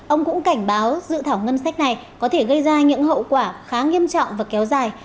ông cũng cảnh báo dự thảo ngân sách này có thể gây ra những hậu quả khá nghiêm trọng và kéo dài